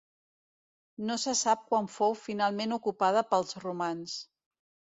No se sap quan fou finalment ocupada pels romans.